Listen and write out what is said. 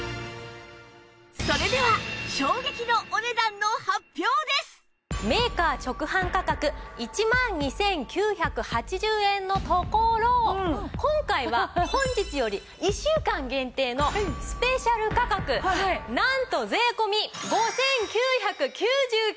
それではメーカー直販価格１万２９８０円のところ今回は本日より１週間限定のスペシャル価格なんと税込５９９９円です！